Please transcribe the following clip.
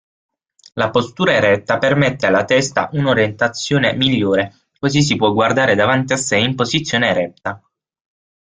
La postura eretta permette alla testa un'orientazione migliore così si può guardare davanti a sé in posizione eretta.